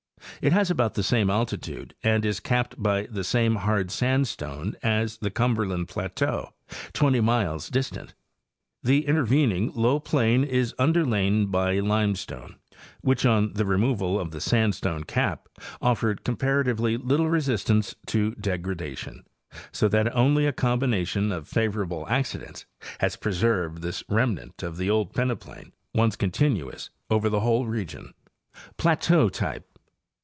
It has about the same altitude and is capped by the same hard sandstone as the Cumberland plateau, 20 miles distant. The intervening low plain is underlain by inestane which, on the removal of the sandstone cap, offered comparatively little resistance to degradation, so that only a combination of favorable accidents has preserved this remnant of the old peneplain once continuous over the whole region. Plateau Type.